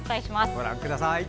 ご覧ください。